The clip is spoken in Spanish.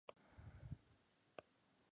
Es propiedad de empresarios locales.